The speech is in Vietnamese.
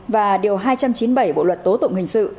và điều hai trăm chín mươi bảy bộ luật tố tụng hình sự